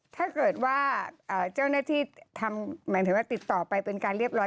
ถ้าเกิดว่าเจ้าหน้าที่ทำหมายถึงว่าติดต่อไปเป็นการเรียบร้อย